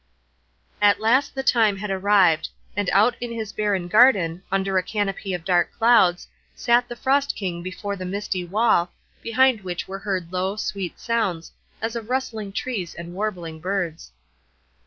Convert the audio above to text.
At last the time arrived, and out in his barren garden, under a canopy of dark clouds, sat the Frost King before the misty wall, behind which were heard low, sweet sounds, as of rustling trees and warbling birds.